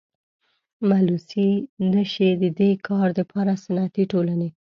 ملوثي نشي ددي کار دپاره صنعتي ټولني.